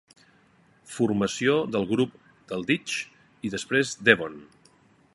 Formació del grup Dalditch i després Devon.